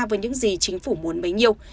với những gì chính phủ muốn mấy nhiêu